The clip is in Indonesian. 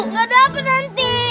nggak dapet nanti